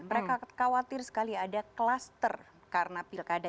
mereka khawatir sekali ada kluster karena pilkada